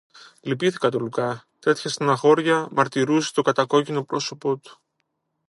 Λυπήθηκα τον Λουκά, τέτοια στενοχώρια μαρτυρούσε το κατακόκκινο πρόσωπο του